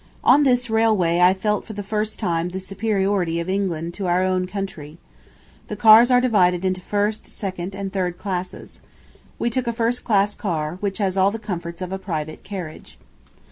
On this railway I felt for the first time the superiority of England to our own country. The cars are divided into first, second, and third classes. We took a first class car, which has all the comforts of a private carriage.